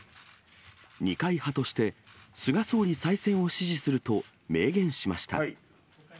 二階派として菅総理再選を支持すると明言しました。